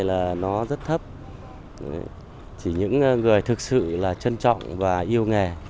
giấy gió thấp chỉ những người thực sự là trân trọng và yêu nghề